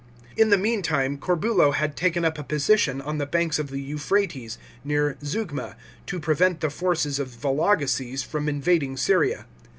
In the meantime, Corbulo had taken up a position on the banks of the Euphrates, near Zeugma, to prevent the forces of Vologeses from invading Syria.